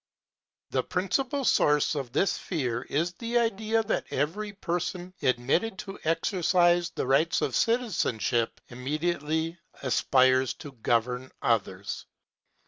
The principal source of this fear is the idea that every person admitted to exercise the rights of citizenship immediately aspires to govern others.